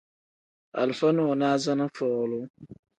Alifa nonaza ni folu.